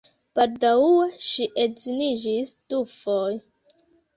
Baldaŭe ŝi edziniĝis dufoje.